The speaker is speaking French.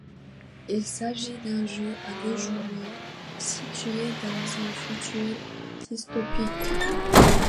Il s'agit d'un jeu à deux joueurs situé dans un futur dystopique.